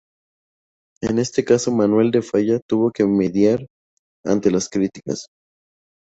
En este caso Manuel de Falla tuvo que mediar ante las críticas.